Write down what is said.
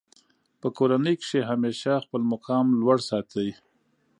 په کورنۍ کښي همېشه خپل مقام لوړ ساتئ!